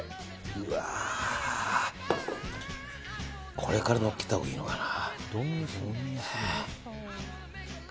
これからのっけたほうがいいのかな。